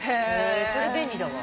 それ便利だわ。